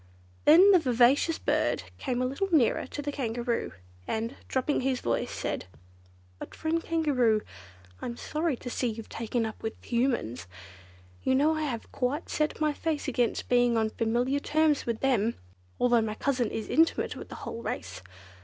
Then the vivacious bird came a little nearer to the Kangaroo, and, dropping his voice, said: "But, friend Kangaroo, I'm sorry to see you've taken up with Humans. You know I have quite set my face against being on familiar terms with them, although my cousin is intimate with the whole race.